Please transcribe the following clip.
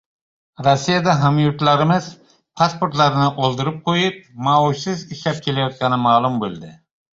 Rossiyada hamyurtlarimiz pasportlarini oldirib qo‘yib, maoshsiz ishlab kelayotgani ma’lum bo‘ldi